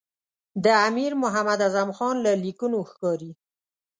د امیر محمد اعظم خان له لیکونو ښکاري.